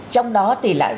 trong đó thì lại